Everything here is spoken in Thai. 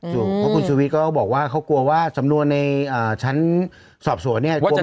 เพราะคุณชุวิตก็บอกว่าเขากลัวว่าสำนวนในชั้นสอบส่วน